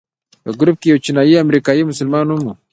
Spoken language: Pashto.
په ګروپ کې یو چینایي امریکایي مسلمان هم و.